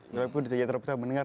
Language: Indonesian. walaupun saya terlalu besar mendengar